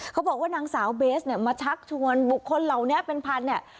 เขาบอกว่านางสาวเบสเนี่ยมาชักชวนบุคคลเหล่านี้เป็นพันธเนี่ย